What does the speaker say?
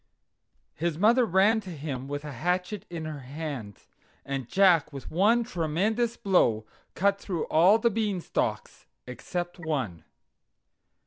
His mother ran to him with a hatchet in her hand, and Jack with one tremendous blow cut through all the Beanstalks except one.